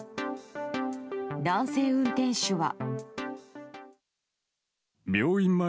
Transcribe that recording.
男性運転手は。